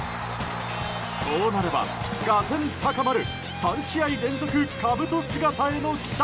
こうなれば俄然、高まる３試合連続かぶと姿への期待。